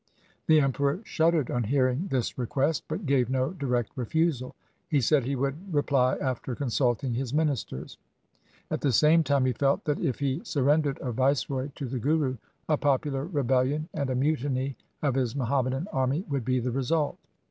The Emperor shuddered on hearing this request, but gave no direct refusal. He said he would reply after consulting his ministers. At the same time 1 Muhammadan names of God. LIFE OF GURU GOBIND SINGH 235 he felt that if he surrendered a viceroy to the Guru, a popular rebellion and a mutiny of his Muham madan army would be the result.